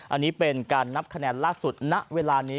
อันนี้เป็นการนับคะแนนล่าสุดณเวลานี้